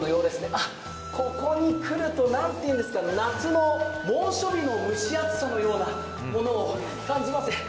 あ、ここに来ると何ていうんですか夏の猛暑日の蒸し暑さを感じますね。